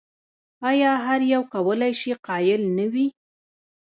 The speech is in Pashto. ایا هر یو کولای شي قایل نه وي؟